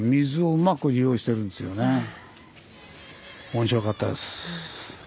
面白かったです。